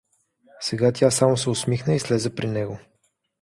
Сега тя само се усмихна и слезе при него.